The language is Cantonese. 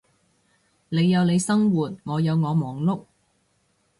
你有你生活，我有我忙碌